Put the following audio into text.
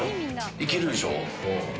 いけるでしょ。